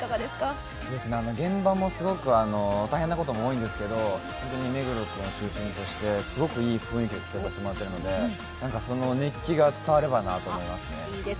現場もすごく大変なことも多いんですけど目黒君を中心としてすごくいい雰囲気で撮影させてもらってるので、その熱気が伝わればと思いますね。